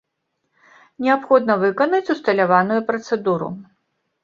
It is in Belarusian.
Неабходна выканаць усталяваную працэдуру.